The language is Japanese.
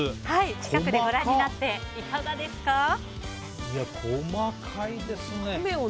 近くでご覧になっていかがですか？